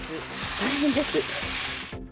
大変です。